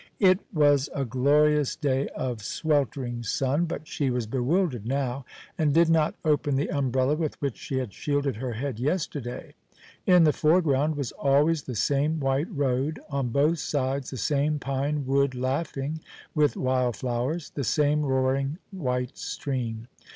It was a glorious day of sweltering sun; but she was bewildered now, and did not open the umbrella with which she had shielded her head yesterday. In the foreground was always the same white road, on both sides the same pine wood laughing with wild flowers, the same roaring white stream.